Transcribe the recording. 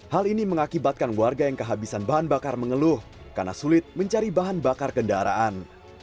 hal ini mengakibatkan warga yang kehabisan bahan bakar mengeluh karena sulit mencari bahan bakar kendaraan